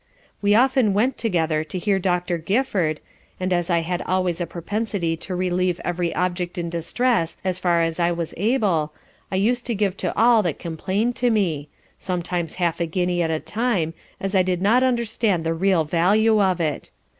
We often went together to hear Dr. Gifford, and as I had always a propensity to relieve every object in distress as far as I was able, I used to give to all that complain'd to me; sometimes half a guinea at a time, as I did not understand the real value of it.